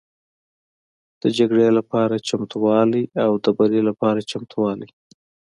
د جګړې لپاره چمتووالی او د بري لپاره چمتووالی